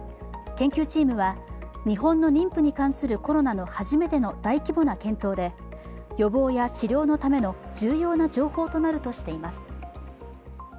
研究チームは日本の妊婦に関するコロナの初めての大規模な検討で予防や治療のための重要な情報となるとしています。